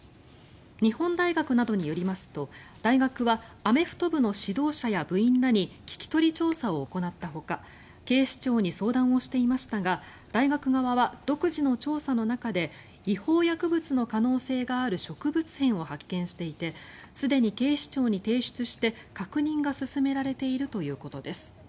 日本大学などによりますと大学はアメフト部の指導者や部員らに聞き取り調査を行ったほか警視庁に相談をしていましたが大学側は独自の調査の中で違法薬物の可能性がある植物片を発見していてすでに警視庁に提出して確認が進められているということです。